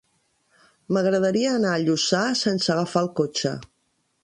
M'agradaria anar a Lluçà sense agafar el cotxe.